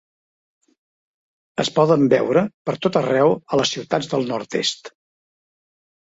Es poden veure per tot arreu a les ciutats del nord-est.